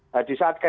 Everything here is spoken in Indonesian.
nah di saat kkb